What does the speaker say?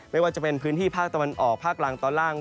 ไม่ว่าจะเป็นพื้นที่ภาคตะวันออกภาคล่างตอนล่าง